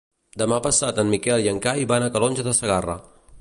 Demà passat en Miquel i en Cai van a Calonge de Segarra.